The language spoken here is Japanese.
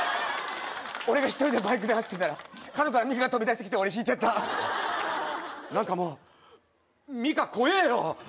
俺が１人でバイクで走ってたら角からミカが飛び出してきて俺ひいちゃった何かもうミカ怖えよ